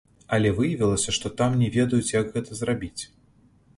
Але выявілася, што там не ведаюць, як гэта зрабіць.